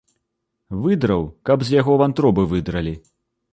Выдраў, каб з яго вантробы выдралі.